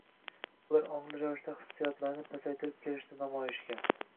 Ular ongli ravishda hissiyotlarini pasaytirib kelishdi namoyishga.